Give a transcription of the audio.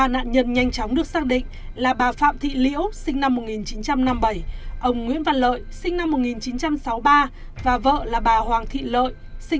ba nạn nhân nhanh chóng được xác định là bà phạm thị liễu ông nguyễn văn lợi và vợ là bà hoàng thị lợi